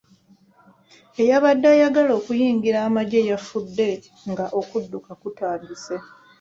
Eyabadde ayagala okuyingira amagye yafudde nga okudduka kutandise.